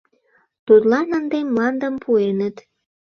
Тудлан ынде мландым пуэныт.